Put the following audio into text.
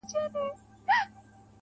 o زه چي سهار له خوبه پاڅېږمه.